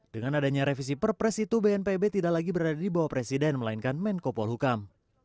dengan adanya revisi perpres itu bnpb tidak lagi berada di bawah presiden melainkan menko polhukam